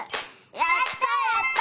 やったやった。